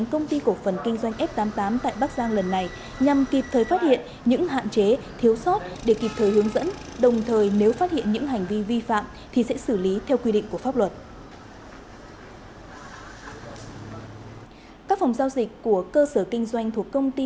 của cơ sở kinh doanh thuộc công ty